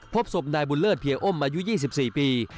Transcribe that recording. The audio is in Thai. พบศพนายบุญเลิศเพียอ้มอายุ๒๔ปี